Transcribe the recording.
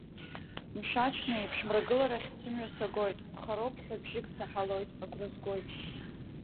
Мшаҽнеиԥш, мрагыларахь сымҩа сагоит, хароуп ҳәа бжьык саҳалоит, агәра згоит.